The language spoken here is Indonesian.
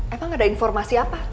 emang ada informasi apa